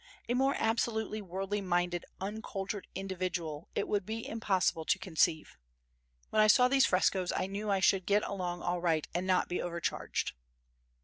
A more absolutely worldly minded, uncultured individual it would be impossible to conceive. When I saw these frescoes I knew I should get along all right and not be over charged.